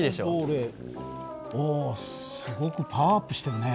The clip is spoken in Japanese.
おすごくパワーアップしてるね。